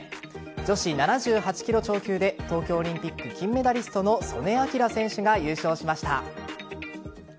女子７８ｋｇ超級で東京オリンピック金メダリストの素根輝選手が優勝しました。